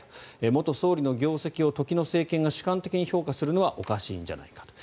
元総理の業績を時の政権が主観的に評価するのはおかしいんじゃないかと。